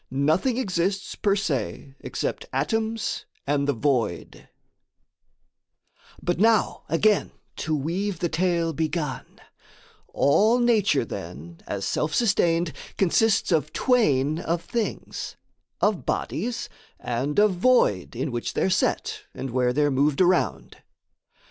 NOTHING EXISTS per se EXCEPT ATOMS AND THE VOID But, now again to weave the tale begun, All nature, then, as self sustained, consists Of twain of things: of bodies and of void In which they're set, and where they're moved around.